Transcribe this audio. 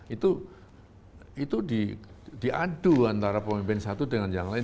itu diadu antara pemimpin satu dengan yang lain